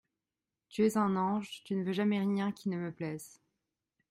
Tu es un ange, tu ne veux jamais rien qui ne me plaise !